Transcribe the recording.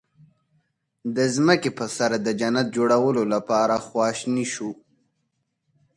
د ځمکې په سر د جنت جوړولو لپاره خواشني شو.